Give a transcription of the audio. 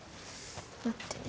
待ってね。